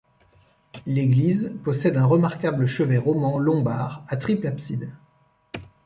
L'église possède un remarquable chevet roman lombard à triple abside.